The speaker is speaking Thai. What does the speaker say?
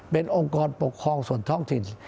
เป็นองค์กรปกครองส่วนท้องถิ่น